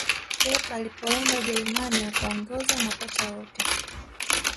pep alipoenda ujerumani akaongoza makocha wote